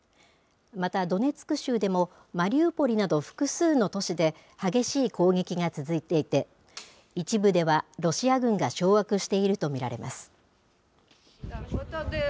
また、ドネツク州でも、マリウポリなど複数の都市で激しい攻撃が続いていて、一部では、ロシア軍が掌握していると見られます。